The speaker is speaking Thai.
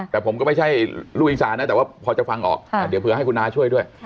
แต่ผมก็ไม่ใช่ฝีแต่พอจะฟังออกเดี๋ยวให้คุณน่าช่วยด้วย